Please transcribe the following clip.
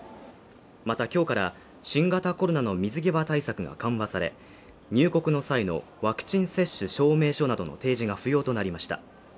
また今日から新型コロナの水際対策が緩和され、入国の際のワクチン接種証明書などの提示が不要となりました。